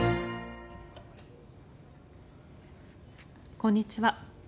こんにちは。